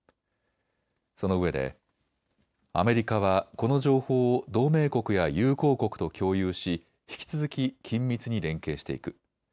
そのうえでアメリカはこの情報を同盟国や友好国と共有し引き続き緊密に連携していく。